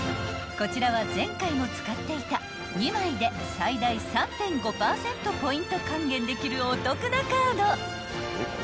［こちらは前回も使っていた２枚で最大３．５％ポイント還元できるお得なカード］